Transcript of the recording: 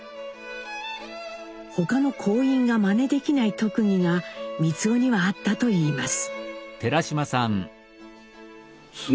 他の行員がまねできない特技が光男にはあったといいます。